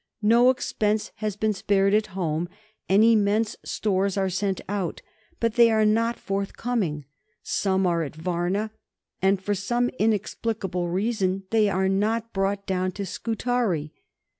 No expense has been spared at home, and immense stores are sent out, but they are not forthcoming. Some are at Varna, and for some inexplicable reason they are not brought down to Scutari.